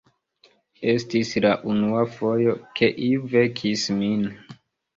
Estis la unua fojo, ke iu vekis min.